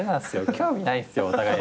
興味ないんすよお互い。